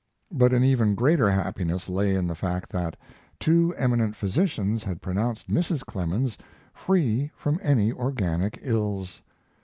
But an even greater happiness lay in the fact that two eminent physicians had pronounced Mrs. Clemens free from any organic ills.